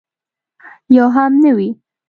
یو هم نه وي.